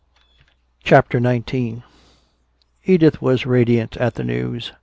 CHAPTER XIX Edith was radiant at the news.